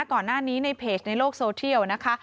ก่อนหน้านี้ในเพจในโลกโซเทียลนะคะ